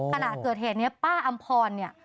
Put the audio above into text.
ขณะเดือดเหตุเนี่ยป้าอำพลเนี่ย